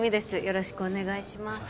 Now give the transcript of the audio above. よろしくお願いします